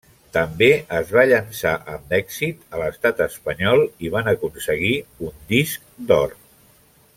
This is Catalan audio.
També es va llançar amb èxit a l'Estat espanyol i van aconseguir un disc d'or.